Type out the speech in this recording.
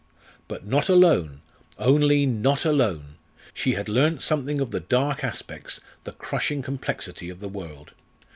But not alone; only, not alone! She had learnt something of the dark aspects, the crushing complexity of the world.